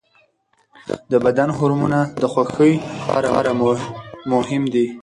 د بدن هورمونونه د خوښۍ لپاره مهم دي.